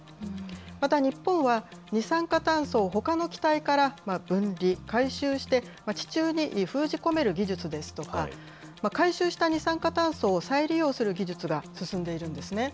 また、日本は二酸化炭素をほかの気体から分離、回収して、地中に封じ込める技術ですとか、回収した二酸化炭素を再利用する技術が進んでいるんですね。